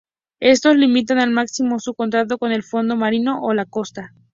Estos limitan al máximo su contacto con el fondo marino o la costa.